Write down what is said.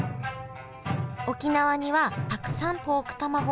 沖縄にはたくさんポークたまご